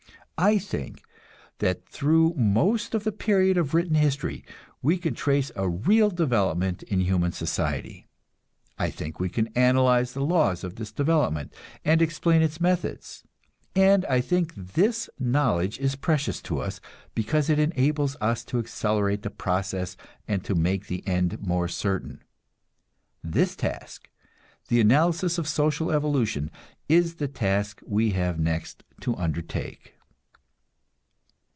I think that through most of the period of written history we can trace a real development in human society. I think we can analyze the laws of this development, and explain its methods; and I think this knowledge is precious to us, because it enables us to accelerate the process and to make the end more certain. This task, the analysis of social evolution, is the task we have next to undertake.